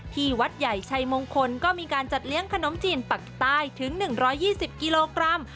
ที่วัดใหญ่ชัยมงคลก็มีการจัดเลี้ยงขนมจีนปักใต้ถึง๑๒๐กิโลกรัม